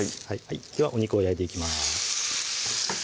ではお肉を焼いていきます